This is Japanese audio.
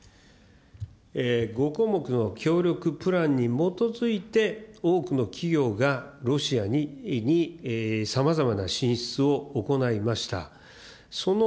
５項目の協力プランに基づいて多くの企業がロシアにさまざまな進出を行いました。